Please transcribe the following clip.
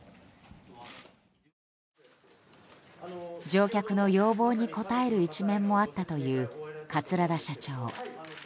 乗客の要望に応える一面もあったという桂田社長。